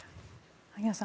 萩谷さん